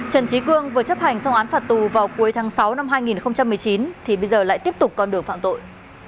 trần trí cương vừa chấp hành xong án phạt tù vào cuối tháng sáu năm hai nghìn một mươi chín thì bây giờ lại tiếp tục con đường phạm tội